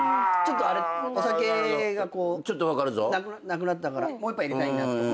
お酒がなくなったからもう１杯入れたいなとか。